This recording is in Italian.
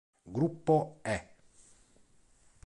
Gruppo E